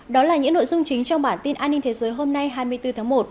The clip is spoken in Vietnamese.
đó là những nội dung chính trong bản tin an ninh thế giới hôm nay hai mươi bốn tháng một